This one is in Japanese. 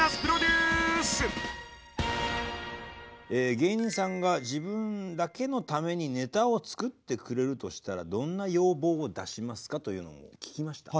芸人さんが自分だけのためにネタを作ってくれるとしたらどんな要望を出しますかというのを聞きました。